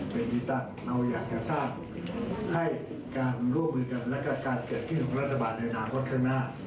เป็นที่ตั้งเราอยากจะทราบให้การร่วมมือกันและกับการเกิดขึ้นของรัฐบาลในอนาคตข้างหน้า